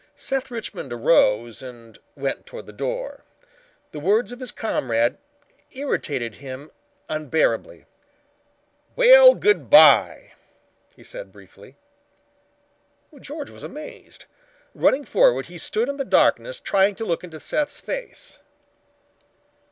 Seth Richmond arose and went toward the door. The words of his comrade irritated him unbearably. "Well, good bye," he said briefly. George was amazed. Running forward he stood in the darkness trying to look into Seth's face.